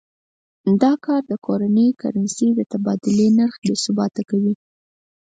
دا کار د کورنۍ کرنسۍ د تبادلې نرخ بې ثباته کوي.